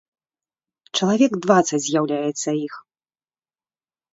Чалавек дваццаць з'яўляецца іх.